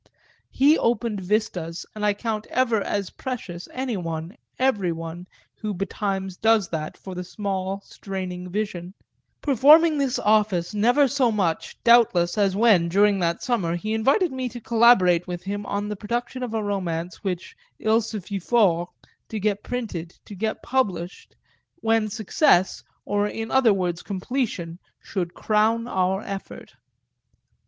He opened vistas, and I count ever as precious anyone, everyone, who betimes does that for the small straining vision; performing this office never so much, doubtless, as when, during that summer, he invited me to collaborate with him in the production of a romance which il se fit fort to get printed, to get published, when success, or in other words completion, should crown our effort.